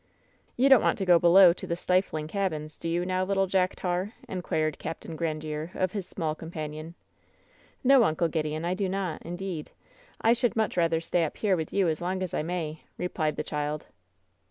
"You don't want to go below to the stifling cabins, do you, now, little Jack Tar?" inquired Capt Gran diere of his small companion. "No, Uncle Gideon, I do not, indeed. I should much rather stay up here with you as long as I may," replied the child.